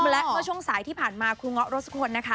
และมาช่วงสายที่ผ่านมาครูแง๊แห๊ะรสภนค่ะ